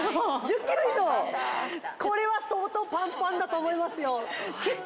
これは相当パンパンだと思いますよ